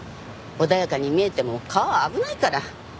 穏やかに見えても川は危ないから。